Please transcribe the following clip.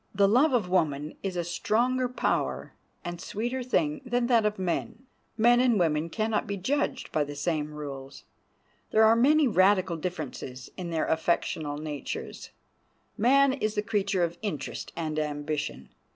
The love of woman is a stronger power and a sweeter thing than that of man. Men and women can not be judged by the same rules. There are many radical differences in their affectional natures. Man is the creature of interest and ambition.